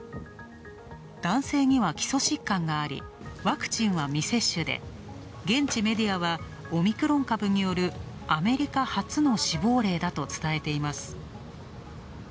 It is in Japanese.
男性には基礎疾患があり、ワクチンは未接種で現地メディアは、オミクロン株によるアメリカ初の死亡例だと伝えています。